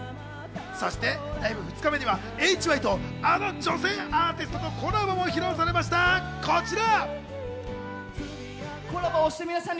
そしてライブ２日目には、ＨＹとあの女性アーティストのコラボも披露されました、こちら！